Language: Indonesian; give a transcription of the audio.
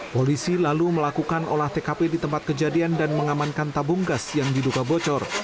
polisi lalu melakukan olah tkp di tempat kejadian dan mengamankan tabung gas yang diduga bocor